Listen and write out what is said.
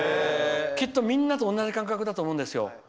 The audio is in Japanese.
きっとみんなと同じ感覚だと思うんです。